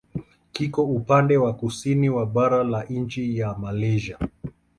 Kiko upande wa kusini wa bara la nchi ya Malaysia.